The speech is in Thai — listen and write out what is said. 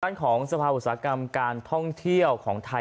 ด้านของสภาอุตสาหกรรมการท่องเที่ยวของไทย